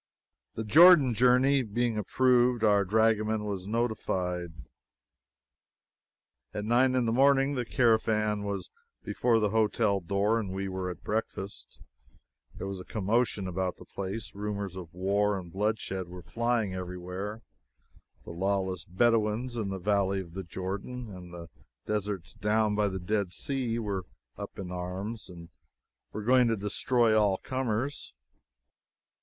The Jordan journey being approved, our dragoman was notified. At nine in the morning the caravan was before the hotel door and we were at breakfast. There was a commotion about the place. Rumors of war and bloodshed were flying every where. The lawless Bedouins in the Valley of the Jordan and the deserts down by the Dead Sea were up in arms, and were going to destroy all comers.